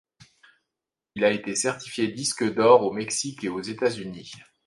Il a été certifié disque d'or au Mexique et aux États-Unis.